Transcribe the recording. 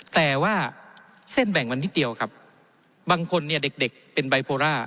แต่ว่าเส้นแบ่งวันนิดเดียวครับบางคนเนี่ยเด็กเป็นไบโพล่า